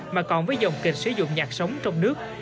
mà còn với dòng kịch sử dụng nhạc sống trong nước